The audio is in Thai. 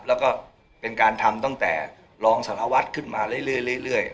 แล้วก็เป็นการทำตั้งแต่รองสารวัฒน์ขึ้นมาเรื่อย